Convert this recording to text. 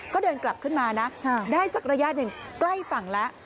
ก็เดินกลับขึ้นมานะได้สักระยะหนึ่งใกล้ฝั่งแล้ว